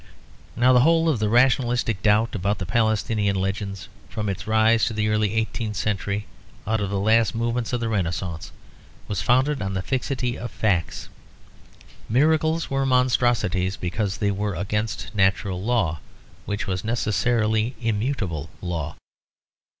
Now the whole of the rationalistic doubt about the Palestinian legends, from its rise in the early eighteenth century out of the last movements of the Renascence, was founded on the fixity of facts. Miracles were monstrosities because they were against natural law, which was necessarily immutable law.